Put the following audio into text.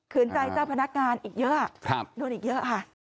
ขืนใจเจ้าพนักงานอีกเยอะ